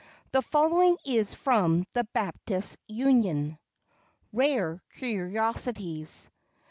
The following is from the Baptist Union: RARE CURIOSITIES.